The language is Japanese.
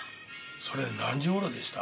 それ何時頃でした？